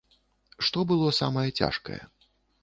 Што было самае цяжкае?